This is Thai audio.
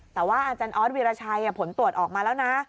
แต่ว่าอาจารย์ออสวีรชัยผลตรวจออกมาแล้วนะ